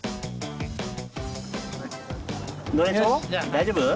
大丈夫？